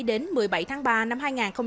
đến một mươi bảy tháng ba năm hai nghìn hai mươi